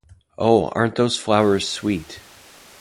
Oh, aren’t these flowers sweet!